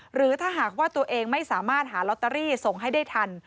หรือถ้าหากว่าตัวเองไม่สามารถหาลอตเตอรี่ส่งให้ได้ทัน